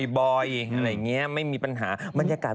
ไม่มีปัญหามันยากาศเยอะงั้นเป็นยังไง